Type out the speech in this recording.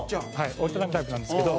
折り畳みタイプなんですけど。